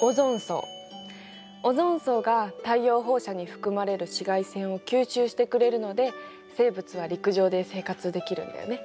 うんオゾン層が太陽放射に含まれる紫外線を吸収してくれるので生物は陸上で生活できるんだよね。